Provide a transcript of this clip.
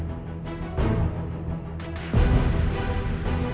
mungkin roland sudah menu baran